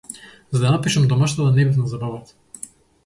За да ја напишам домашната не бев на забавата.